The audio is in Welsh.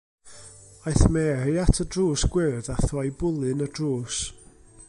Aeth Mary at y drws gwyrdd a throi bwlyn y drws.